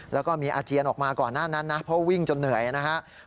แล้วก็มีอาเจียนออกมาก่อนหน้านั้นนะเพราะวิ่งจนเหนื่อยนะครับ